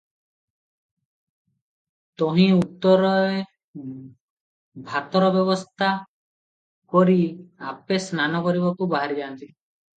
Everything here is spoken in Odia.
ତହିଁ ଉତ୍ତରେ ଭାତରବ୍ୟବସ୍ଥା କରି ଆପେ ସ୍ନାନ କରିବାକୁ ବାହାରିଯାନ୍ତି ।